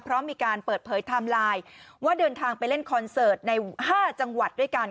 เพราะมีการเปิดเผยไทม์ไลน์ว่าเดินทางไปเล่นคอนเสิร์ตใน๕จังหวัดด้วยกัน